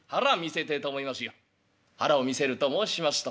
「腹を見せると申しますと？」。